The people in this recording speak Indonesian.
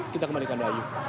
kita kembalikan dahulu